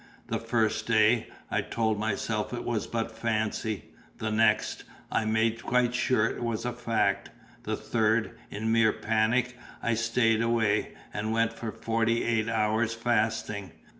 The first day, I told myself it was but fancy; the next, I made quite sure it was a fact; the third, in mere panic I stayed away, and went for forty eight hours fasting.